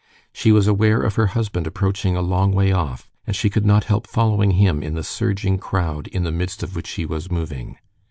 She was aware of her husband approaching a long way off, and she could not help following him in the surging crowd in the midst of which he was moving.